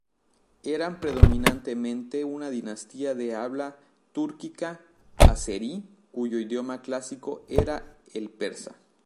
Eran predominantemente una dinastía de habla túrquica azerí, cuyo idioma clásico era el persa.